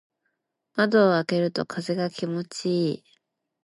窓を開けると風が気持ちいい。